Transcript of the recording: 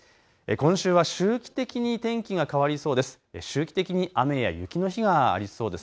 今週は周期的に天気が変わりそうそうです。